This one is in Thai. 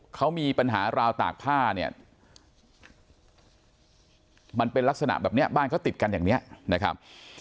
เขามีปัญหาราวตากผ้าเนี่ยมันเป็นลักษณะแบบนี้บ้านเขาติดกันอย่างนี้นะครับ